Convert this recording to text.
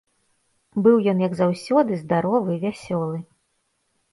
Быў ён, як заўсёды, здаровы, вясёлы.